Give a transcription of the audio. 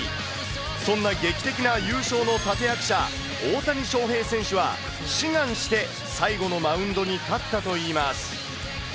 そんな劇的な優勝の立て役者、大谷翔平選手は、志願して最後のマウンドに立ったといいます。